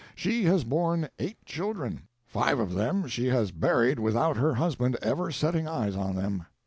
She has borne eight children; five of them she has buried without her husband ever setting eyes on them.